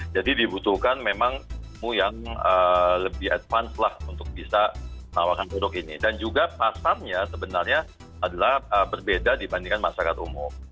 jadi dibutuhkan memang umum yang lebih advance lah untuk bisa menawarkan produk ini dan juga pasarnya sebenarnya adalah berbeda dibandingkan masyarakat umum